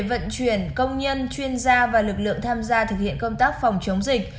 vận chuyển công nhân chuyên gia và lực lượng tham gia thực hiện công tác phòng chống dịch